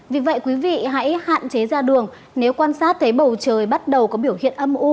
vì vậy quý vị hãy hạn chế ra đường nếu quan sát thấy bầu trời bắt đầu có biểu hiện âm u